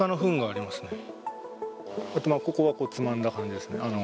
あと、ここはつまんだ感じですね。